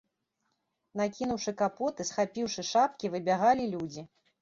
Накінуўшы капоты, схапіўшы шапкі, выбягалі людзі.